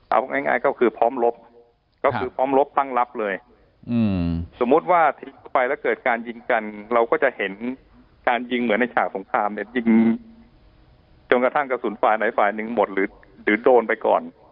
เอาง่ายก็คือพร้อมลบก็คือพร้อมลบตั้งรับเลยสมมุติว่าทิ้งไปแล้วเกิดการยิงกันเราก็จะเห็นการยิงเหมือนในฉากสงครามเนี่ยยิงจนกระทั่งกระสุนฝ่ายไหนฝ่ายหนึ่งหมดหรือโดนไปก่อน